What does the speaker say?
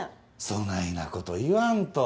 そないな事言わんと。